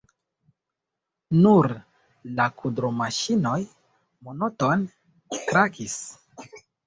Nur la kudromaŝinoj monotone krakis.